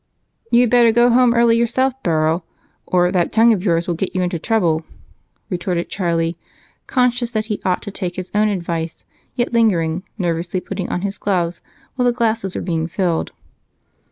"You'd better go home early yourself, Barrow, or that tongue of yours will get you into trouble," retorted Charlie, conscious that he ought to take his own advice, yet lingering, nervously putting on his gloves while the glasses were being filled.